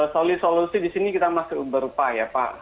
solusi solusi di sini kita masih berupa ya pak